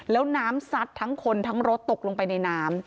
แล้วน้ำซัดทั้งคนทั้งรถตกลงไปในน้ำ